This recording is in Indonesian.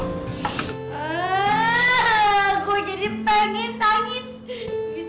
gue jadi pengen tangis